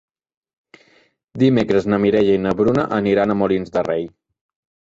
Dimecres na Mireia i na Bruna aniran a Molins de Rei.